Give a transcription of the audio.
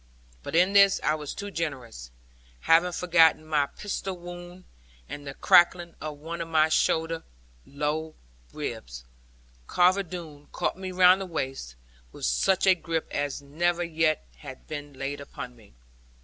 But in this I was too generous; having forgotten my pistol wound, and the cracking of one of my short lower ribs. Carver Doone caught me round the waist, with such a grip as never yet had been laid upon me.